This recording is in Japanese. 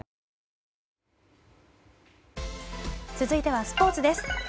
続いてはスポーツです。